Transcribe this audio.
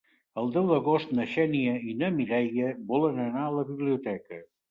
El deu d'agost na Xènia i na Mireia volen anar a la biblioteca.